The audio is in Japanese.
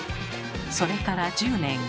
それから１０年。